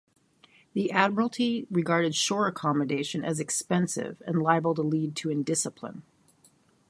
The Admiralty regarded shore accommodation as expensive and liable to lead to indiscipline.